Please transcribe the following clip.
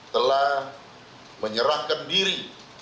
telah menyerahkan diri